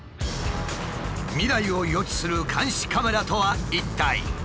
未来を予知する監視カメラとは一体？